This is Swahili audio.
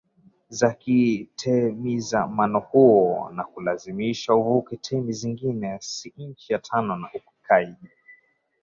za kitemizamanohuo na kulazimishwa uvuke temi zingine si chini ya tano Na ukikaidi